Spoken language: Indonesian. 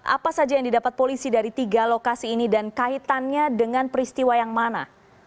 apa saja yang didapat polisi dari tiga lokasi ini dan kaitannya dengan peristiwa yang mana